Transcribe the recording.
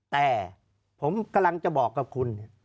แต่ผมกำลังจะบอกกับคุณ